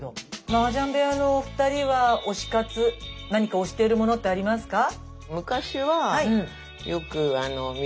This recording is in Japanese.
マージャン部屋のお二人は推し活何か推しているものってありますか？